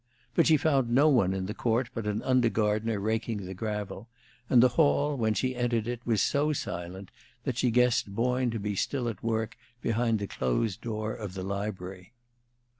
But she found no one in the court but an under gardener raking the gravel, and the hall, when she entered it, was so silent that she guessed Boyne to be still at work behind the closed door of the library.